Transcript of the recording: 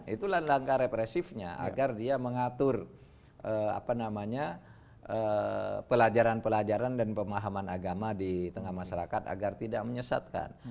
itu langkah represifnya agar dia mengatur pelajaran pelajaran dan pemahaman agama di tengah masyarakat agar tidak menyesatkan